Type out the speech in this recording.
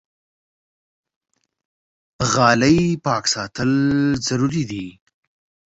غالۍ پاک ساتل ضروري دي.